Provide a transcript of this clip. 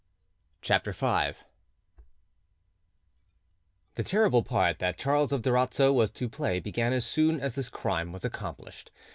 CHAPTER V The terrible part that Charles of Durazzo was to play began as soon as this crime was accomplished.